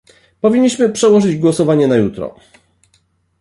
Powinniśmy przełożyć głosowanie na jutro